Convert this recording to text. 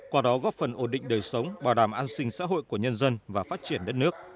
qua đó góp phần ổn định đời sống bảo đảm an sinh xã hội của nhân dân và phát triển đất nước